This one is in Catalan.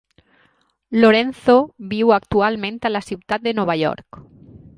Lorenzo viu actualment a la ciutat de Nova York.